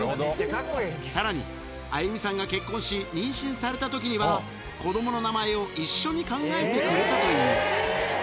さらに、あゆみさんが結婚し、妊娠されたときには、子どもの名前を一緒に考えてくれたという。